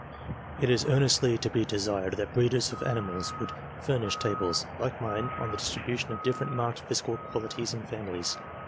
"sit is earnestly to be desired that breeders of animals would furnish tables, like mine, on. the distribution of different marked physical qualities in families.